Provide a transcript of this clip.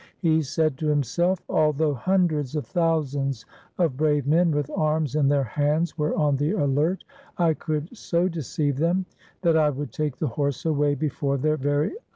He said to himself, ' Although hundreds of thousands of brave men with arms in their hands were on the alert, I could so deceive them, that I would take the horse away before their very eyes.'